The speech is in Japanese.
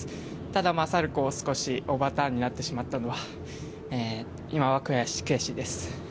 ただ、サルコウを少しオーバーターンになってしまったのは今は悔しいです。